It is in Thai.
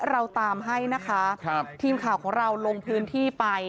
เราตามให้นะคะครับทีมข่าวของเราลงพื้นที่ไป